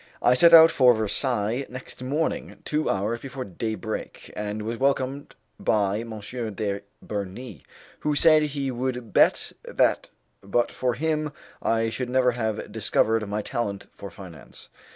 I set out for Versailles next morning two hours before day break, and was welcomed by M. de Bernis, who said he would bet that but for him I should never have discovered my talent for finance.